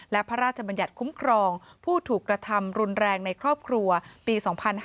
และพระราชบัญญัติคุ้มครองผู้ถูกกระทำรุนแรงในครอบครัวปี๒๕๕๙